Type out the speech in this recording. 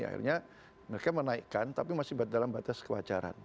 akhirnya mereka menaikkan tapi masih dalam batas kewajaran